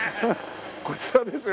こちらです。